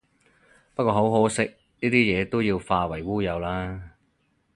不過好可惜，呢啲嘢都要化為烏有喇